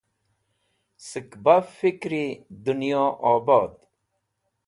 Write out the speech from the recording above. Sẽk baf fikri dẽnyo obd.